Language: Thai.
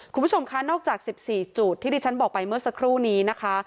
คุณผู้ชมคะนอกจาก๑๔จุดที่ที่ฉันบอกไปเมื่อสักครู่นี้นะคะ